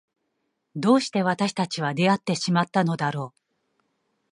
どうして私たちは出会ってしまったのだろう。